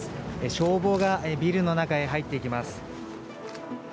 消防がビルの中へ入っていきます。